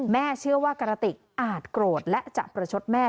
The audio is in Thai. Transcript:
เชื่อว่ากระติกอาจโกรธและจะประชดแม่